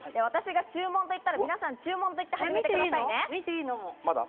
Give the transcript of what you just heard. では、私が注文と言ったら、皆さん注文と言って始めてくださいね。